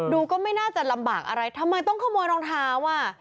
ก็ไม่น่าจะลำบากอะไรทำไมต้องขโมยรองเท้าอ่ะ